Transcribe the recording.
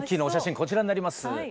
こちらになります。